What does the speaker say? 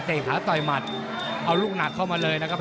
หาต่อยหมัดเอาลูกหนักเข้ามาเลยนะครับ